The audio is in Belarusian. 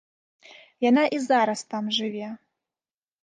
Яна і зараз там жыве.